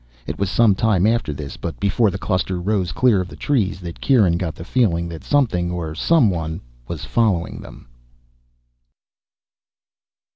It was some time after this, but before the cluster rose clear of the trees, that Kieran got the feeling that something, or someone, was following them.